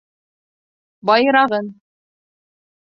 Байырағын.